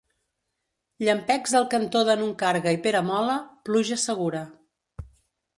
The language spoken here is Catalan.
Llampecs al cantó de Nuncarga i Peramola, pluja segura.